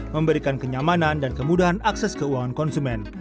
memberikan kenyamanan dan kemudahan akses keuangan konsumen